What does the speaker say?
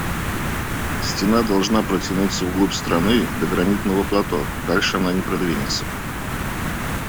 Стена должна протянуться вглубь страны до гранитного плато, дальше она не продвинется.